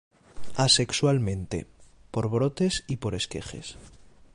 Asexualmente, por brotes y por esquejes.